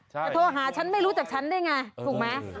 แต่โทรหาฉันไม่รู้จักฉันได้ไงถูกไหม